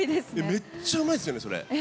めっちゃうまいですよね、それ。